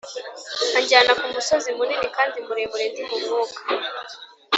Anjyana ku musozi munini kandi muremure ndi mu Mwuka,